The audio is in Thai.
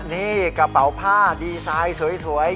นี่กระเป๋าผ้าดีไซน์สวย